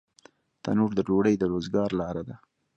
تنور د ډوډۍ د روزګار لاره ده